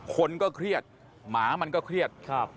คนก็เครียดหมามันก็เครียด